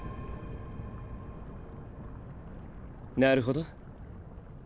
なるほど。